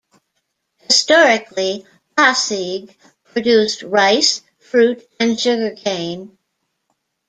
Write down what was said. Historically, Pasig produced rice, fruit and sugarcane.